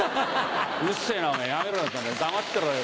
「うっせぇなおめぇやめろよてめぇ黙ってろよ」